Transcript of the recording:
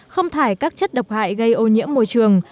không thải các chất độc hại gây ô nhiễm môi trường